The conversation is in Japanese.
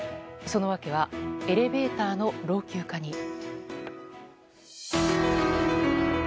その訳はエレベーターの老朽化に。